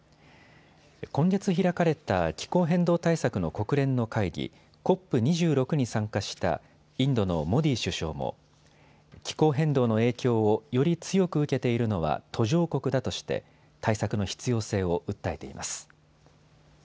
今月開かれた気候変動対策の国連の会議、ＣＯＰ２６に参加したインドのモディ首相も気候変動の影響を、より強く受けているのは途上国だとして対策の必要性を訴えています。